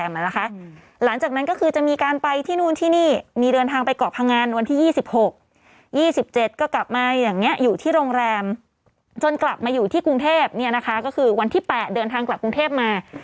มาอยู่ที่กรุงเทพฯก็คือวันที่๘เดินทางกลับกรุงเทพฯมา